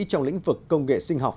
trong lĩnh vực công nghệ sinh học